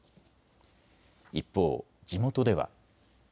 一方、地元では。